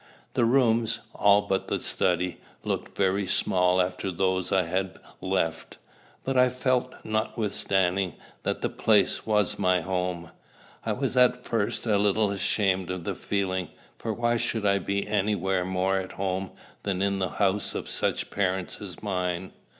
The rooms, all but the study, looked very small after those I had left; but I felt, notwithstanding, that the place was my home. I was at first a little ashamed of the feeling; for why should I be anywhere more at home than in the house of such parents as mine?